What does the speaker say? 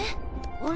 あれ？